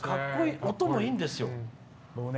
音もいいんですよ。